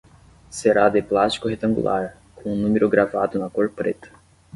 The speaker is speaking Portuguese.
Será de plástico retangular, com o número gravado na cor preta.